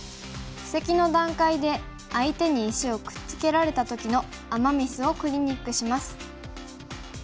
布石の段階で相手に石をくっつけられた時のアマ・ミスをクリニックします。